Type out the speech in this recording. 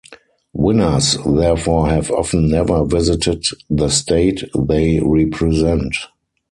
Winners therefore have often never visited the state they represent.